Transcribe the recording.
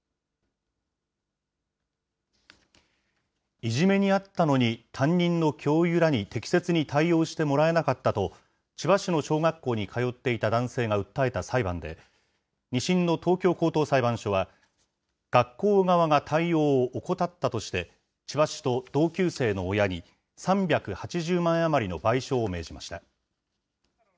いじめに遭ったのに担任の教諭らに適切に対応してもらえなかったと、千葉市の小学校に通っていた男性が訴えた裁判で、２審の東京高等裁判所は、学校側が対応を怠ったとして、千葉市と同級生の親に３８０万円余りの賠償を命じました。